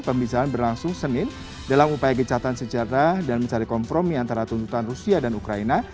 pembicaraan berlangsung senin dalam upaya gecatan sejarah dan mencari kompromi antara tuntutan rusia dan ukraina